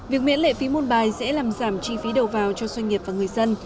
việc miễn lệ phí môn bài sẽ làm giảm chi phí đầu vào cho doanh nghiệp và người dân